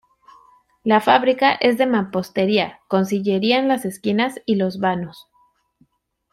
La fábrica es de mampostería, con sillería en las esquinas y los vanos.